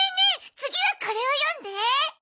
次はこれを読んで。